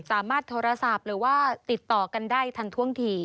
สามารถโทรศัพท์หรือว่าติดต่อกันได้ทันท่วงที